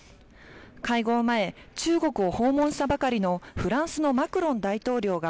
会合前、中国を訪問したばかりのフランスのマクロン大統領が、